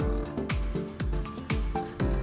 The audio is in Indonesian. adapun itu angg batman ini terperas can